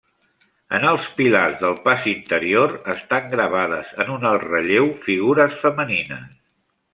En els pilars del pas interior, estan gravades en un alt relleu figures femenines.